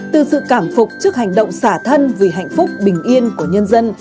từ sự cảm phục trước hành động xả thân vì hạnh phúc bình yên của nhân dân